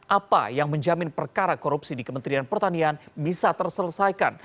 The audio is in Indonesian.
apa yang menjamin perkara korupsi di kementerian pertanian bisa terselesaikan